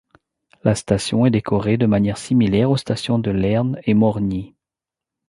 La station est décorée de manière similaire aux stations de Leernes et Morgnies.